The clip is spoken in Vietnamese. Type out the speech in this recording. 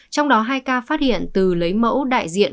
trong đó hai ca phát hiện từ lấy mẫu đại diện